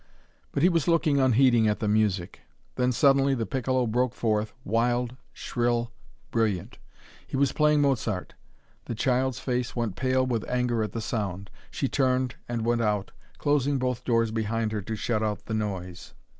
But he was looking unheeding at the music. Then suddenly the piccolo broke forth, wild, shrill, brilliant. He was playing Mozart. The child's face went pale with anger at the sound. She turned, and went out, closing both doors behind her to shut out the noise.